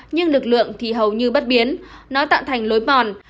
nhưng lực lượng thì hầu như bất biến nó tạo thành lối mòn